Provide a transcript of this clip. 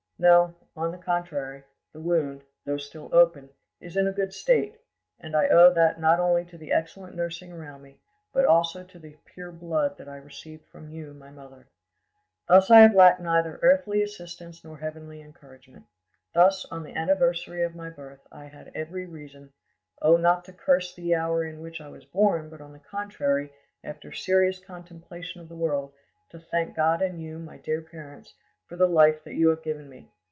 No, an the contrary, the wound, though still open, is in a good state; and I owe that not only to the excellent nursing around me, but also to the pure blood that I received from you, my mother. Thus I have lacked neither earthly assistance nor heavenly encouragement. Thus, on the anniversary of my birth, I had every reason—oh, not to curse the hour in which I was born, but, on the contrary, after serious contemplation of the world, to thank God and you, my dear parents, for the life that you have given me!